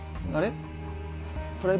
あれ？